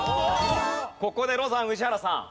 ここでロザン宇治原さん。